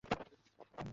শূন্য এ ললাটপট্টে লিখা।